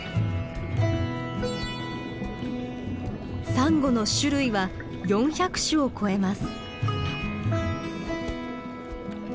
サンゴの種類は４００種を超えます。